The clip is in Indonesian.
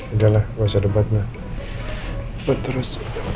adalah bisa debatnya terus